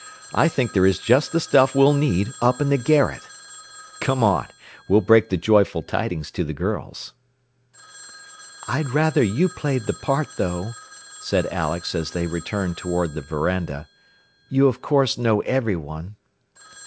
I think there is just the stuff we'll need up in the garret. "Come on; we'll break the joyful tidings to the girls." "I'd rather you played the part, though," said Alex as they returned toward the veranda. "You of course know everyone."